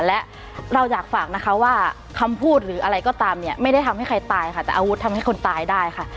และเราอยากฝากนะคะว่าคำพูดหรืออะไรก็ตามเนี่ยไม่ได้ทำให้ใครตายค่ะแต่อาวุธทำให้คนตายได้ค่ะ